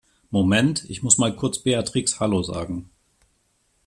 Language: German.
Moment, ich muss mal kurz Beatrix Hallo sagen.